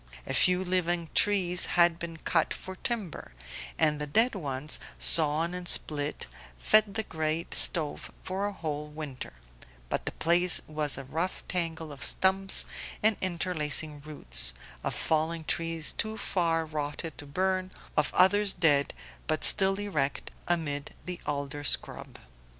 A few living trees had been cut for timber, and the dead ones, sawn and split, fed the great stove for a whole winter; but the place was a rough tangle of stumps and interlacing roots, of fallen trees too far rotted to burn, of others dead but still erect amid the alder scrub.